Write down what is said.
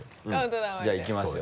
じゃあいきますよ。